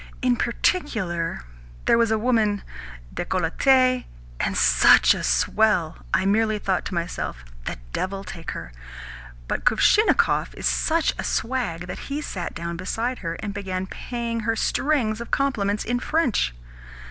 In particular, there was a woman decolletee, and such a swell! I merely thought to myself, 'The devil take her!' but Kuvshinnikov is such a wag that he sat down beside her, and began paying her strings of compliments in French.